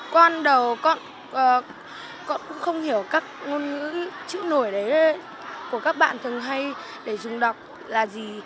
con đầu con cũng không hiểu các ngôn ngữ chữ nổi đấy của các bạn thường hay để dùng đọc là gì